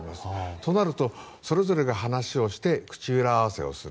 となると、それぞれが話をして口裏合わせをする。